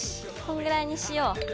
こんぐらいにしよう。